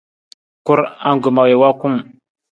Kur, angkoma wii wa kung.